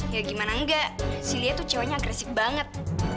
ya gimana enggak si lia tuh ceweknya agresif banget